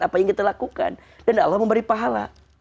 apa yang kita lakukan dan allah memberi pahala